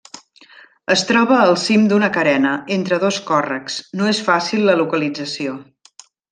Es troba al cim d'una carena, entre dos còrrecs; no és fàcil la localització.